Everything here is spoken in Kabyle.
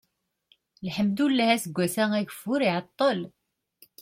lḥemdullah aseggas-a ageffur iɛeṭṭel